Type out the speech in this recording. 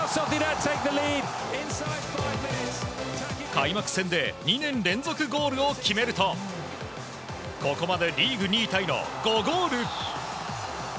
開幕戦で２年連続ゴールを決めるとここまでリーグ２位タイの５ゴール。